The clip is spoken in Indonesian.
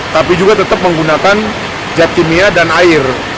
tapi juga tetap menggunakan zat kimia dan air